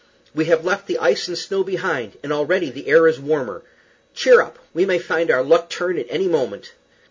We have left the ice and snow behind, and already the air is warmer. Cheer up; we may find our luck turn at any moment."